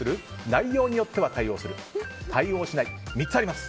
内容によっては対応する対応しない、３つあります。